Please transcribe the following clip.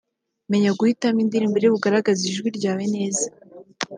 menya guhitamo indirimbo iribugaragaze ijwi ryawe neza